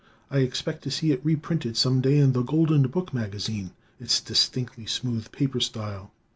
I expect to see it reprinted some day in The Golden Book Magazine. It's distinctly smooth paper style.